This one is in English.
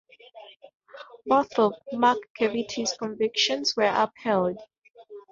Both of McKevitt's convictions were upheld.